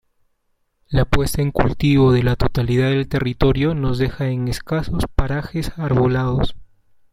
La puesta en cultivo de la totalidad del territorio nos deja escasos parajes arbolados.